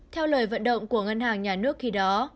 theo lời vận động của ngân hàng nhà nước khi đó